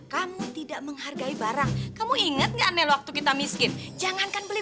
kamu tidak menghargai barang kamu inget gak nel waktu kita miskin jangankan beli